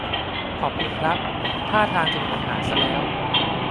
ขอบคุณครับ ท่าทางจะมีปัญหาซะแล้ว